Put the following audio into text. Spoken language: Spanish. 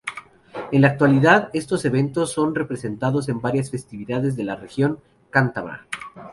En la actualidad, estos eventos son representados en varias festividades de la región cántabra.